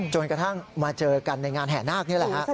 จนกระทั่งมาเจอกันในงานแห่นาคนี่แหละฮะ